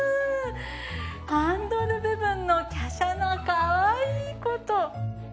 ハンドル部分の華奢なかわいいこと。